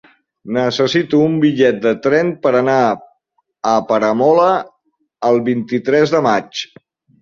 Necessito un bitllet de tren per anar a Peramola el vint-i-tres de maig.